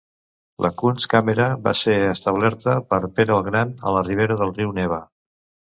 La Kunstkamera va ser establerta per Pere el Gran a la ribera del riu Neva.